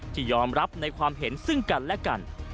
ที่ยอมรับในความเห็นซึ่งกันและกัน